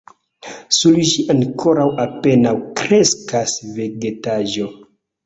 Sur ĝi ankoraŭ apenaŭ kreskas vegetaĵo.